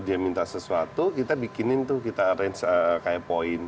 dia minta sesuatu kita bikinin tuh kita rinsa kayak poin poin itu kita bikinin itu kita rinsa kayak poin